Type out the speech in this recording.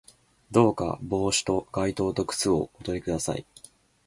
どうか帽子と外套と靴をおとり下さい